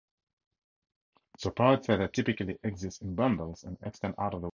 The Parrot feather typically exist in bundles and extend out of the water.